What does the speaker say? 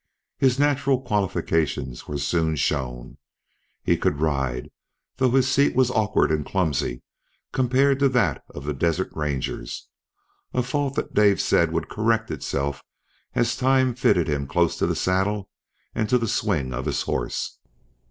His natural qualifications were soon shown; he could ride, though his seat was awkward and clumsy compared to that of the desert rangers, a fault that Dave said would correct itself as time fitted him close to the saddle and to the swing of his horse.